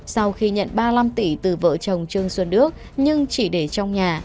sau khi nhận ba mươi năm tỷ từ vợ chồng trương xuân đức nhưng chỉ để trong nhà